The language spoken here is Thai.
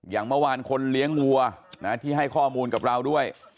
อย่างเมื่อวานคนเลี้ยงวัวที่ให้ข้อมูลกับเราด้วย